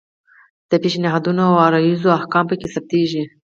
د پیشنهادونو او عرایضو احکام پکې ثبتیږي.